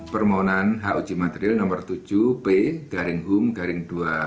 permohonan h u g material no tujuh b garing hum garing dua ribu dua puluh